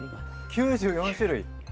９４種類！